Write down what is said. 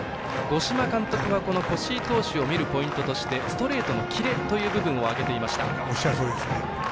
五島監督は越井投手を見るポイントとしてストレートのキレという部分を挙げていました。